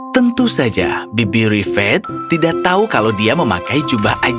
tentu saja bibir rifat tidak tahu kalau dia memakai jubah ajaib